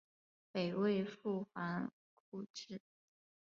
北魏复还故治。